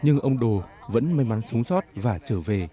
nhưng ông đồ vẫn may mắn sống sót và trở về